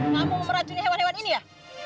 kamu mau meracunnya hewan hewan ini ya